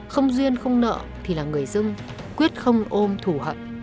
không duyên không nợ thì là người dân quyết không ôm thủ hận